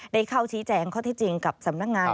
ได้เข้าชี้แจงข้อที่จริงกับสำนักงาน